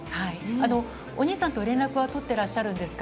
お兄さんと連絡はとっていらっしゃるんですか？